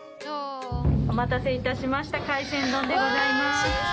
お待たせいたしました海鮮丼でございます。